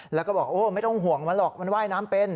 แล้วก็บอกโอ้ไม่ต้องห่วงมันหรอกมันว่ายน้ำเป็น